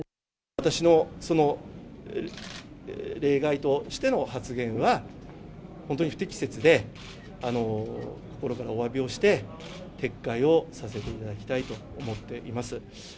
私の例外としての発言は、本当に不適切で、心からおわびをして、撤回をさせていただきたいと思っています。